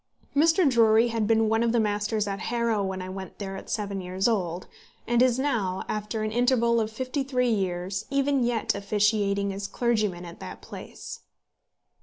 Mr. Drury had been one of the masters at Harrow when I went there at seven years old, and is now, after an interval of fifty three years, even yet officiating as clergyman at that place.